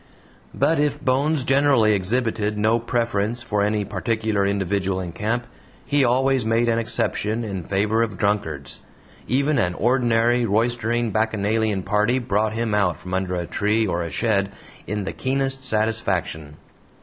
But if Bones generally exhibited no preference for any particular individual in camp, he always made an exception in favor of drunkards. Even an ordinary roistering bacchanalian party brought him out from under a tree or a shed in the keenest satisfaction.